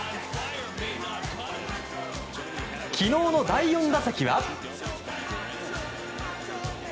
昨日の第４打席は。